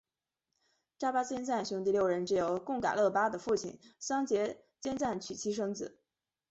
扎巴坚赞兄弟六人只有贡噶勒巴的父亲桑结坚赞娶妻生子。